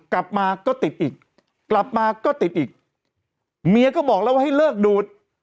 กลับมาก็ติดอีกกลับมาก็ติดอีกเมียก็บอกแล้วว่าให้เลิกดูด